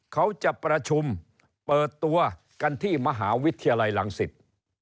เขาจะประชุมเปิดตัวกันที่มหาวิทยาลัยรังสิต